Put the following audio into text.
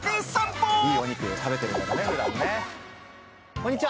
こんにちは。